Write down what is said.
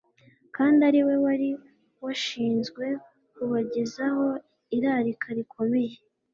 kandi ari we wari washinzwe kubagezaho irarika rikomeye.